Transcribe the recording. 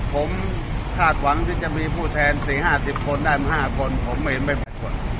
ผมคาดหวังที่จะมีผู้แทน๔๕๐คนได้มา๕คนผมเห็นไม่ปรากฏ